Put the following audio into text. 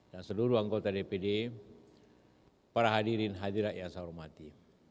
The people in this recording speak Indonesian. dan seluruh anggota dpd para hadirin hadirat yang saya hormati